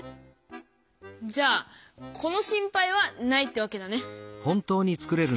じゃあこの心配はないってわけだね。